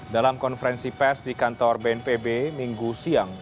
dalam konferensi pes di kantor bnpb minggu siang